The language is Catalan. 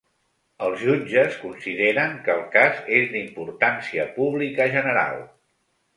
Els jutges consideren que el cas és “d’importància pública general”.